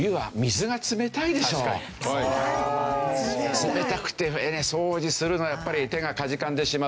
冷たくて掃除するのやっぱり手がかじかんでしまう。